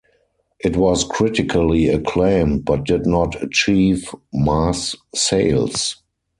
It was critically acclaimed, but did not achieve mass sales.